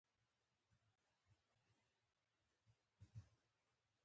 د چرګانو هګۍ تازه او صحي دي.